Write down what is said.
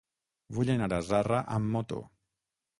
Vull anar a Zarra amb moto.